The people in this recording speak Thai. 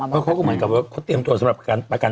เขาก็เหมือนกับว่าเขาเตรียมตัวสำหรับประกันตัวแล้ว